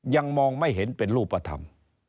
ยังมองไม่เห็นเป็นรูปธรรม